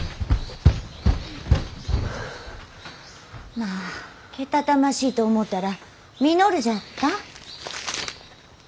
まあけたたましいと思うたら稔じゃったん。